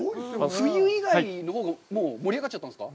冬以外のほうが盛り上がっちゃったんですか！？